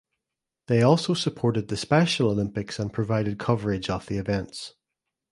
They also supported the Special Olympics and provided coverage of the events.